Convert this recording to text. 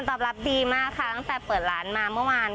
ตอบรับดีมากค่ะตั้งแต่เปิดร้านมาเมื่อวาน